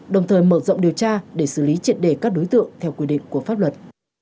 đồng thời mở rộng điều tra để xử lý triệt đề các đối tượng theo quy định của pháp luật